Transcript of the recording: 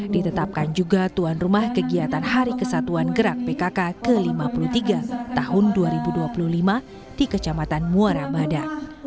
ditetapkan juga tuan rumah kegiatan hari kesatuan gerak pkk ke lima puluh tiga tahun dua ribu dua puluh lima di kecamatan muara bada